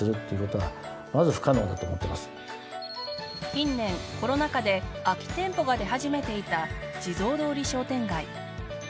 近年コロナ禍で空き店舗が出始めていた地蔵通り商店街。